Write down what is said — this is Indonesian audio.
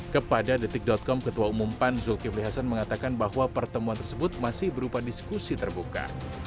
kepada detik com ketua umum pan zulkifli hasan mengatakan bahwa pertemuan tersebut masih berupa diskusi terbuka